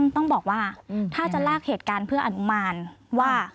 ต้องบอกว่าถ้าจะลากเหตุการณ์เพื่ออนุมานว่า